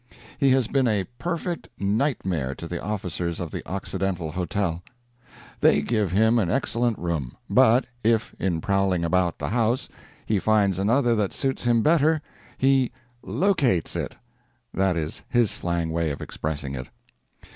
He has been a perfect nightmare to the officers of the Occidental Hotel. They give him an excellent room, but if, in prowling about the house, he finds another that suits him better, he "locates" it ( that is his slang way of expressing it).